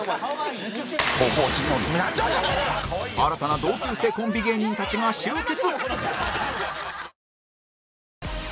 新たな同級生コンビ芸人たちが集結！